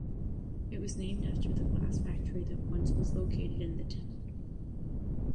It was named after the glass factory that once was located in the town.